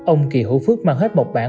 ông kỳ hữu phước mang hết mộc bản